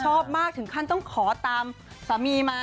ชอบมากถึงขั้นต้องขอตามสามีมา